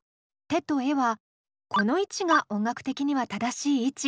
「て」と「え」はこの位置が音楽的には正しい位置。